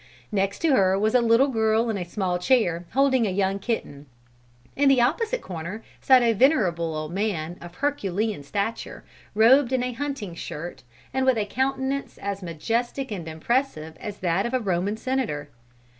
Next to her was a little girl, in a small chair, holding a young kitten. In the opposite corner sat a venerable old man, of herculean stature, robed in a hunting shirt, and with a countenance as majestic and impressive as that of a Roman senator.